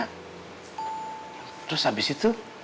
terus abis itu